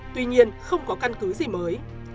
tuy nhiên không có căn cứ gì mới